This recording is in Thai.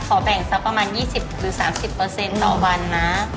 ขอแบ่งสักประมาณ๒๐๓๐เปอร์เซ็นต์แต่วันนะ